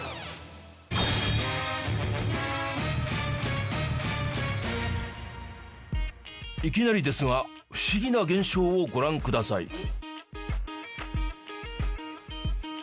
いきなりですが不思議な現象をご覧ください。